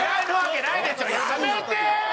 やめてー！